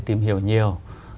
phải tìm hiểu nhiều